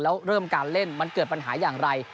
แล้วเริ่มการเล่นมันเกิดปัญหาอย่างไร